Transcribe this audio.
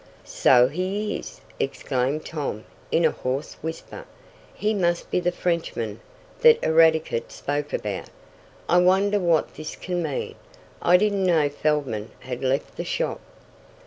"So he is!" exclaimed Tom, in a hoarse whisper. "He must be the Frenchman that Eradicate spoke about. I wonder what this can mean? I didn't know Feldman had left the shop."